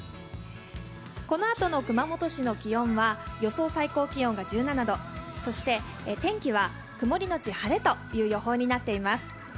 このあとの熊本市の気温は予想最高気温が１７度そして天気は曇りのち晴れという予報になっています。